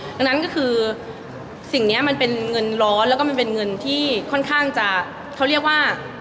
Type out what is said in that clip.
ดังนั้นก็คือสิ่งนี้มันเป็นเงินร้อนแล้วก็มันเป็นเงินที่ค่อนข้างจะเขาเรียกว่า